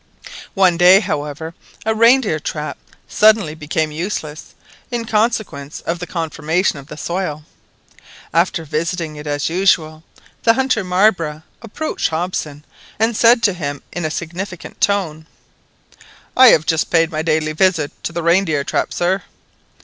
One day, however, the reindeer trap suddenly became useless in consequence of the conformation of the soil. After visiting it as usual, the hunter Marbre approached Hobson, and said to him in a significant tone—— "I have just paid my daily visit to the reindeer trap, sir."